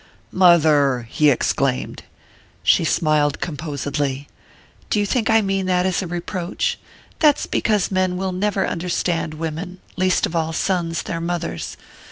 "Mother!" he exclaimed. She smiled composedly. "Do you think I mean that as a reproach? That's because men will never understand women least of all, sons their mothers.